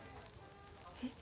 えっ。